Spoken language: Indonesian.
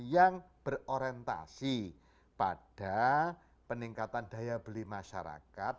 yang berorientasi pada peningkatan daya beli masyarakat